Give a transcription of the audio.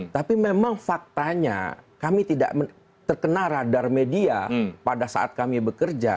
tapi memang faktanya kami tidak terkena radar media pada saat kami bekerja